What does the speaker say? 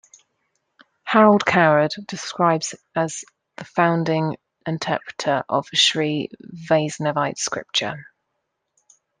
Harold Coward describes as the founding interpreter of Sri Vaisnavite scripture.